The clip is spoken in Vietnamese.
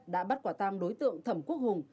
đã bắt quả tăng đối tượng thẩm quốc hùng